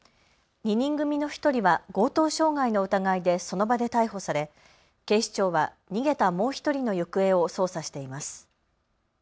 ２人組の１人は強盗傷害の疑いでその場で逮捕され警視庁は逃げたもう１人の行方を捜査しています。